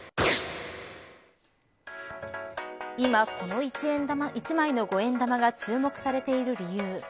今この１枚の５円玉が注目されている理由。